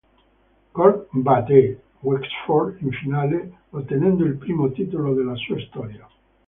Cork batté Wexford in finale, ottenendo il primo titolo della sua storia.